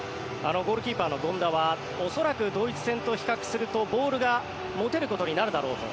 ゴールキーパーの権田は恐らくドイツ戦と比較するとボールが持てることになるだろうと。